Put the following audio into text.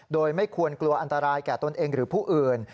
โดยไม่ควรกลัวอันตรายแก่ตนเองหรือผู้อื่น